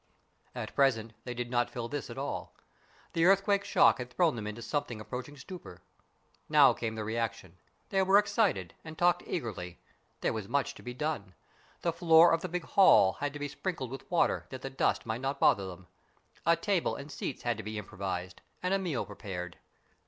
At present they did not feel this at all. The earthquake shock had thrown them into something approaching stupor. Now came the reaction. They were excited, and talked eagerly. There was much to be done. The floor of the big hall had to be sprinkled with water, that the dust might not bother them. A table and seats had to be improvised, and a meal prepared.